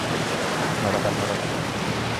বাবা, তার কোন দরকার নেই।